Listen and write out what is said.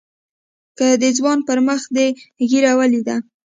که د ځوان پر مخ دې ږيره وليده.